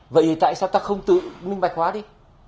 vậy tại sao ta không tự minh bạch hóa đi